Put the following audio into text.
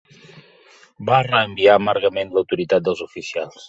Va reenviar amargament l'autoritat dels oficials.